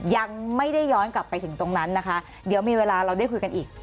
ยังไม่ได้ย้อนกลับไปถึงตรงนั้นนะคะเดี๋ยวมีเวลาเราได้คุยกันอีก